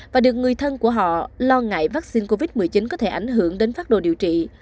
và được người thân của họ lo ngại vaccine covid một mươi chín có thể ảnh hưởng đến phát đồ điều trị